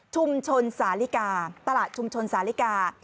สาลิกาตลาดชุมชนสาลิกา